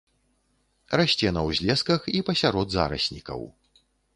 Расце на ўзлесках і пасярод зараснікаў.